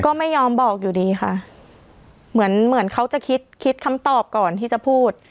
ก็ไม่ยอมบอกอยู่ดีค่ะเหมือนเหมือนเขาจะคิดคิดคำตอบก่อนที่จะพูด